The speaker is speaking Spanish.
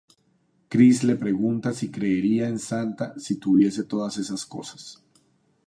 Kris le pregunta si creería en Santa si tuviese todas esas cosas.